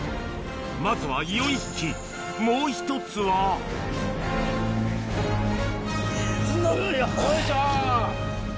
まずはもう１つはよいしょ！